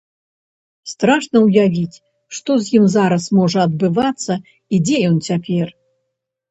Страшна ўявіць, што з ім зараз можа адбывацца і дзе ён цяпер.